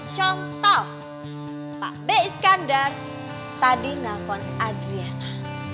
contoh pak b iskandar tadi nelfon adriana